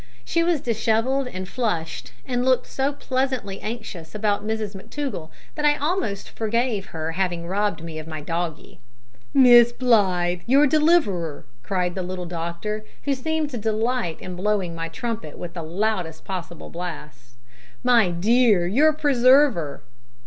She was dishevelled and flushed, and looked so pleasantly anxious about Mrs McTougall that I almost forgave her having robbed me of my doggie. "Miss Blythe, your deliverer!" cried the little doctor, who seemed to delight in blowing my trumpet with the loudest possible blast; "my dear, your preserver!"